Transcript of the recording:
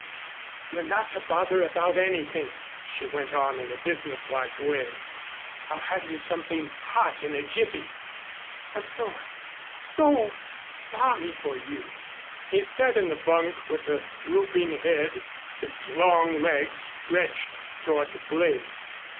"You're not to bother about anything," she went on in a businesslike way. "I'll have you something hot in a jiffy. I'm so so sorry for you." He sat in the bunk, with a drooping head, his long legs stretched toward the blaze.